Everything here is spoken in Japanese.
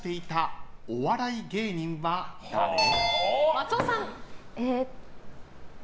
松尾さん。